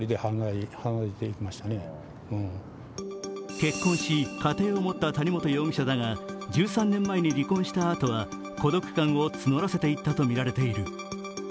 結婚し、家庭を持った谷本容疑者だが１３年前に離婚したあとは孤独感を募らせていったとみられている。